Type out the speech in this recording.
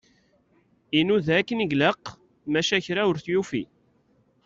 Inuda akken i ilaq, maca kra ur t-yufi.